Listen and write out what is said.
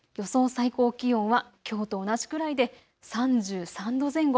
最高気温はきょうと同じくらいで３３度前後。